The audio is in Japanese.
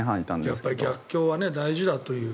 やっぱり逆境は大事だという。